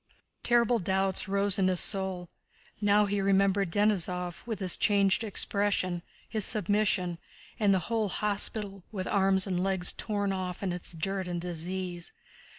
Terrible doubts rose in his soul. Now he remembered Denísov with his changed expression, his submission, and the whole hospital, with arms and legs torn off and its dirt and disease.